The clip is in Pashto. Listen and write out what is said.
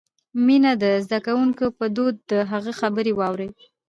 مينه دې د زدکونکې په دود د هغه خبرې واوري.